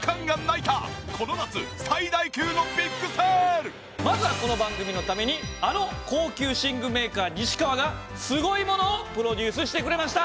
今回はまずはこの番組のためにあの高級寝具メーカー西川がすごいものをプロデュースしてくれました。